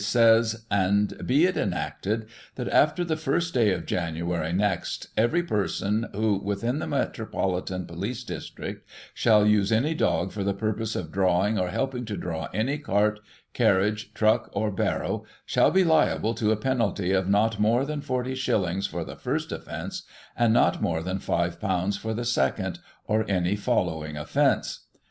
says, "And be it enacted. That after the First Day of January next, every person who, within the Metropolitan Police District, shall use any Dog for the purpose of drawing, or helping to draw any Cart, Carriage, Truck, or Barrow, shall be liable to a Digiti ized by Google 64 GOSSIP. [1838 penally of not more than Forty Shillings for the first offence, and not more than Five Pounds for the Second, or any following offence."